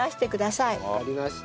わかりました。